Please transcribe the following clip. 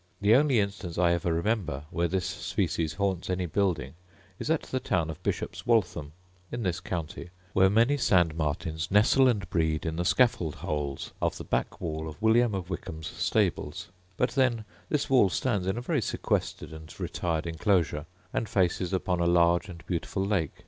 The only instance I ever remember where this species haunts any building is at the town of Bishop's Waltham, in this county, where many sand martins nestle and breed in the scaffold holes of the back wall of William of Wykeham's stables: but then this wall stands in a very sequestered and retired enclosure, and faces upon a large and beautiful lake.